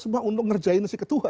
semua untuk ngerjain si ketua